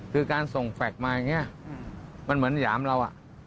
คือการส่งแฟคมาอย่างนี้มันเหมือนหยามเรา